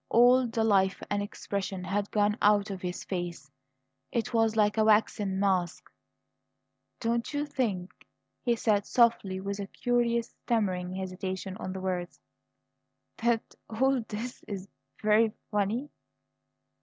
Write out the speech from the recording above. All the life and expression had gone out of his face; it was like a waxen mask. "D don't you think," he said softly, with a curious stammering hesitation on the words, "th that all this is v very funny?"